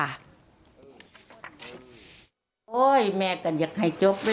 แล้วเราก็ไม่ได้ไป